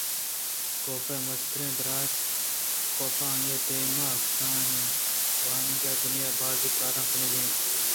کاف ءِ مستریں برٛات اِنتءُکاف آئی ءِ دیم ءَ کسان اِنت ءُانگتءَ دنیاءِ بازیں کارئے کنگی اِنت